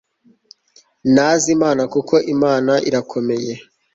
ntazi imana kuko imana irakomeye